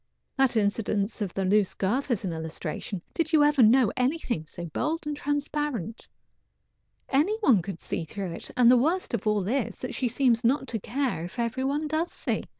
That incident of the loose girth is an illustration. Did you ever know anything so bold and transparent? Any one could see through it, and the worst of all is she seems not to care if every one does see.